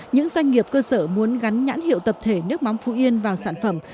những doanh nghiệp cơ sở muốn gắn nhãn hiệu tập thể nước mắm phú yên vào sản phẩm